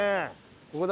ここだ。